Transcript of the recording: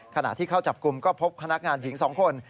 ขณะที่เข้าจับกลุ่มก็พบพนักงานหญิง๒คน